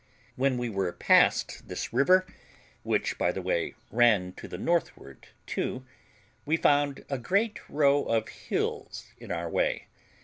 When we were past this river, which, by the way, ran to the northward too, we found a great row of hills in our way.